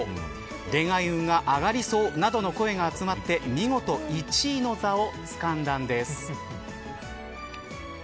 恋愛運が上がりそうなどの声が集まって見事１位の座をつかんだんです。